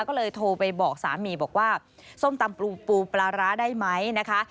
ก็เลยโทรไปบอกสามีบอกว่าส้มตำปูปูปลาร้าได้ไหมนะคะ